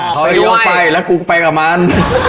เขาไปดูเยาะไปแล้วกูกูไปกับมัน